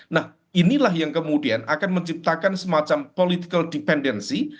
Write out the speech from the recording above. nah inilah yang kemudian akan menciptakan semacam political dependensi